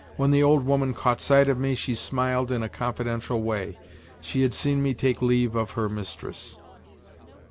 When the old woman caught sight of me, she smiled in a confidential way; she had seen me take leave of her mistress.